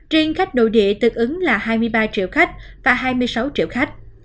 riêng khách nội địa tương ứng là hai mươi ba triệu khách và hai mươi sáu triệu khách